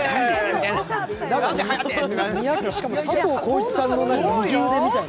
しかも、佐藤浩市さんの右腕みたいな。